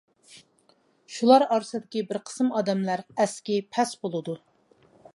شۇلار ئارىسىدىكى بىر قىسىم ئادەملەر ئەسكى پەس بولىدۇ.